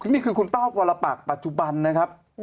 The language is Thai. นี่คือคุณป้าวรปักปัจจุบันนะครับ